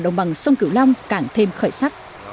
đồng bằng sông cửu long càng thêm khởi sắc